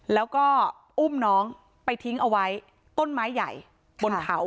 แล้วก็อุ้มน้องไปทิ้งเอาไว้ต้นไม้ใหญ่บนเขา